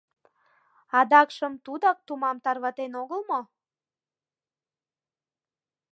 Адакшым тудак тумам тарватен огыл мо?